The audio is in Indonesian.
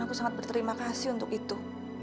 aku sangat berterima kasih untuk itu